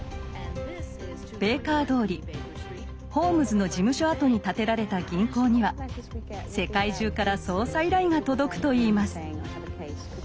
ベイカー通りホームズの事務所跡に建てられた銀行には世界中から捜査依頼が届くといいます。